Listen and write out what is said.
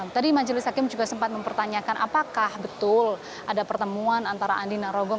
tadi majelis hakim juga sempat mempertanyakan apakah betul ada pertemuan antara andi narogong